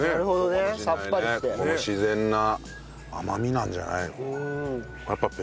自然な甘みなんじゃないの？